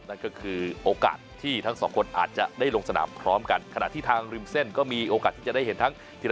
นั่นก็คือโอกาสที่ทั้งสองคนอาจจะได้ลงสนามพร้อมกันขณะที่ทางริมเส้นก็มีโอกาสที่จะได้เห็นทั้งทีละ